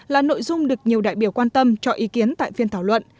là nội dung được nhiều đại biểu quan tâm cho ý kiến tại phiên thảo luận